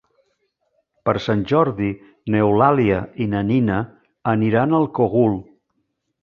Per Sant Jordi n'Eulàlia i na Nina aniran al Cogul.